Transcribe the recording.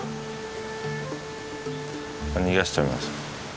逃がしちゃいます。